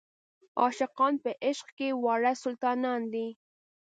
عاشقان په عشق کې واړه سلطانان دي.